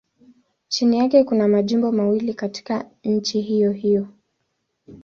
Chini yake kuna majimbo mawili katika nchi hiyohiyo.